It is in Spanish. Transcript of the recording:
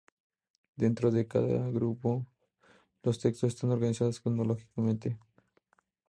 Dentro de cada grupo los textos están organizados cronológicamente.